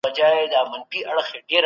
خپل مال د زکات په ورکولو سره پاک کړه.